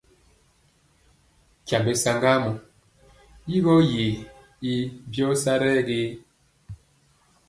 Nkyambe saŋgamɔ! Yigɔ ye yi byɔ sa ɗɛ ge?